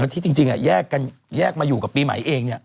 ที่จริงแยกมาอยู่กับปีใหม่เอง